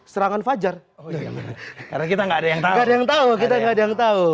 serangan fajar oh iya karena kita enggak ada yang tahu yang tahu kita enggak ada yang tahu